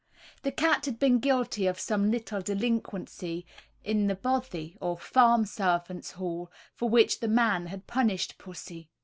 The cat had been guilty of some little delinquency in the bothy, or farm servants' hall, for which the man had punished pussy.